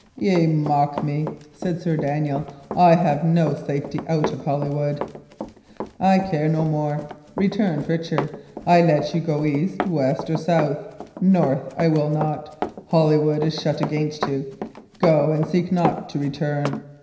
"Ye mock me," said Sir Daniel. "I have no safety out of Holywood." "I care no more," returned Richard. "I let you go east, west, or south; north I will not. Holywood is shut against you. Go, and seek not to return.